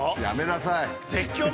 やめなさい！